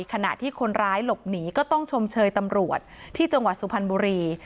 ขณะที่คนร้ายหลบหนีก็ต้องชมเชยตำรวจที่จังหวัดสุพรรณบุรี